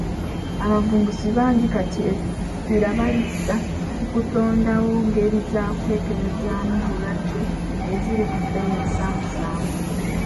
Abavumbuzi bangi kati essira balissa ku kutondawo ngeri za kwekebezaamu bulwadde eziri ku bbeeyi ensaamusaamu.